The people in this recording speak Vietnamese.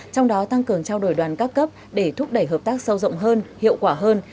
trong đó tăng cường trao đổi đoàn các cấp để thúc đẩy hợp tác sâu rộng hơn hiệu quả hơn